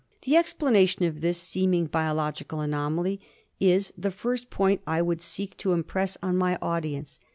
The explanation of this seeming biologic anomaly is the first point I would seek to impress on my audience.